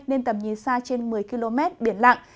nên tầm nhìn xa trên một mươi km biển lặng